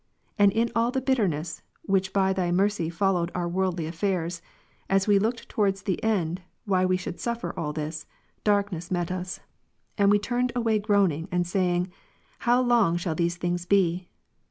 And in all the bitterness, which by Thy mercy followed our worldly affairs, as we looked towards the end, why we should suffer all this, darkness met us ; and we turned away groaning, and saying, How long shall these things be